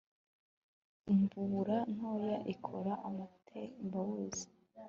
imvubura ntoya ikora amatembabuzi